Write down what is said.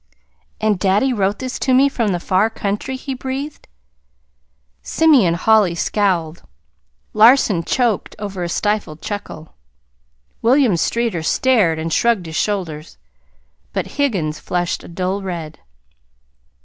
"And daddy wrote this to me from the far country?" he breathed. Simeon Holly scowled. Larson choked over a stifled chuckle. William Streeter stared and shrugged his shoulders; but Higgins flushed a dull red.